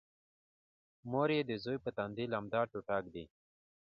مور یې د زوی په تندي لمده ټوټه ږدي